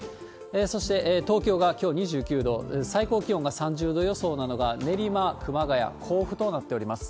そして、東京がきょう２９度、最高気温が３０度予想なのが練馬、熊谷、甲府となっております。